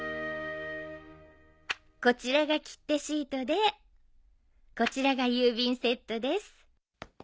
こちらが切手シートでこちらが郵便セットです。